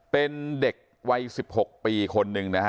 เป็นเด็กวัย๑๖ปีคนนึง